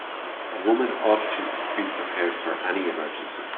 A woman ought to be prepared for any emergency.